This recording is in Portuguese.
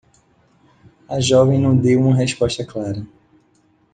A jovem não deu uma resposta clara.